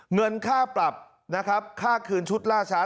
เงินค่าปรับนะครับค่าคืนชุดล่าช้า